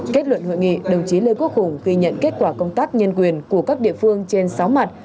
kết luận hội nghị đồng chí lê quốc hùng ghi nhận kết quả công tác nhân quyền của các địa phương trên sáu mặt